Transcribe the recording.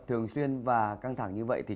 thường xuyên và căng thẳng như vậy thì